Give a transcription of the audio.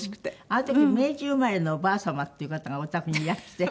あの時明治生まれのおばあ様っていう方がおたくにいらして。